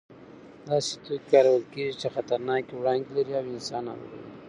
داسې توکي کارول کېږي چې خطرناکې وړانګې لري او انسان ناروغوي.